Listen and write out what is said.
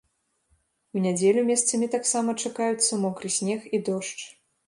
У нядзелю месцамі таксама чакаюцца мокры снег і дождж.